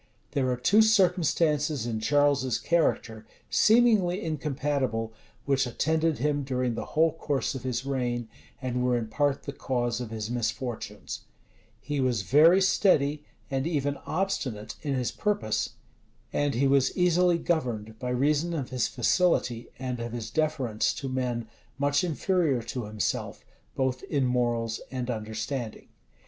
There are two circumstances in Charles's character, seemingly incompatible, which attended him during the whole course of his reign, and were in part the cause of his misfortunes: he was very steady, and even obstinate in his purpose; and he was easily governed, by reason of his facility, and of his deference to men much inferior to himself both in morals and understanding.